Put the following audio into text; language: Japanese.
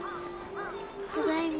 ただいま。